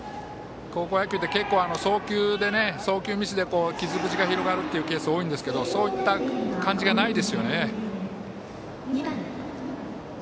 高校野球って結構送球ミスで傷口が広がるケースが多いんですけどそういった感じがないですよね。